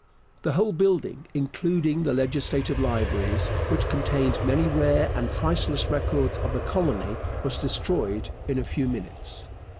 The whole building, including the legislative libraries, which contained many rare and priceless records of the colony, was destroyed in a few minutes.